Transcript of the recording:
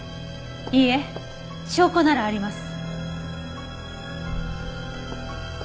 いいえ証拠ならあります。